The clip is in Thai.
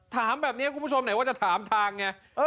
ถามแบบนี้คุณผู้ชมไหนว่าจะถามทางไง